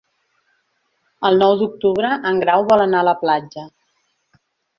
El nou d'octubre en Grau vol anar a la platja.